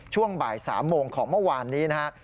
ช่วงบ่ายสามโมงของเมื่อวานนี้นะฮะ